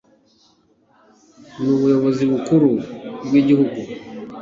n'ubuyobozi bukuru bw'igihugu